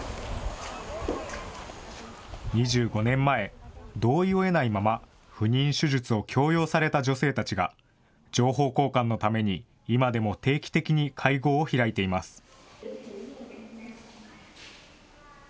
２５年前、同意を得ないまま不妊手術を強要された女性たちが、情報交換のために今でも定期的に会合を開いています。